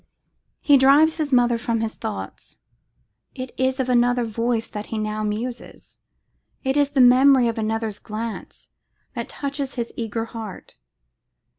He drives his mother from his thoughts. It is of another voice that he now muses; it is the memory of another's glance that touches his eager heart.